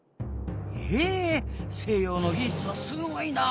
へえ西洋の技術はすごいなあ。